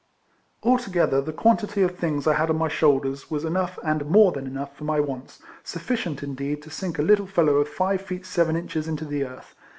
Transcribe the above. Altgether the quantity of things I had on my shoulders was enough and more than enough for my wants, sufficient, indeed, to sink a little fellow of five feet seven inches into the earth.